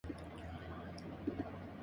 رقبہ بھی اس کا بہت زیادہ ہے۔